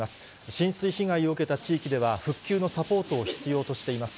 浸水被害を受けた地域では、復旧のサポートを必要としています。